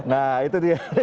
nah itu dia